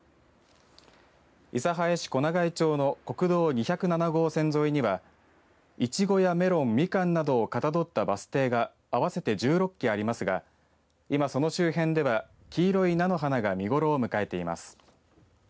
諫早市小長井町の国道２０７号線沿いにはイチゴやメロンみかんなどをかたどったバス停が合わせて１６基ありますが今その周辺では黄色い菜の花が見頃を迎えています。